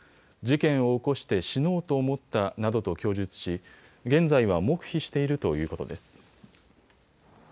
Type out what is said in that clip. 事件を起こして死のうと思ったなどと供述し、現在は黙秘しているということです。